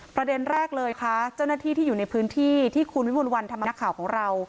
ประเด็นแรกเลยค่ะเจ้าหน้าที่ที่อยู่ในพื้นที่ที่คุณวิมวลวันธรรมนักข่าวของเรา